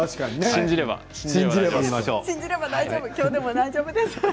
信じれば大丈夫です。